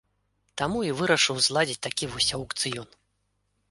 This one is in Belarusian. Таму і вырашыў зладзіць такі вось аўкцыён.